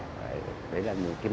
đấy là mối quan hệ giữa thơ nhà